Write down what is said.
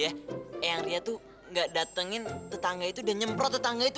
eang ria tuh enggak datengin tetangga itu dan nyemprot tetangga itu